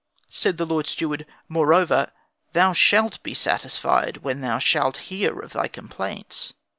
Said the Lord Steward, "Moreover, thou shalt be satisfied when thou shalt hear of thy complaints."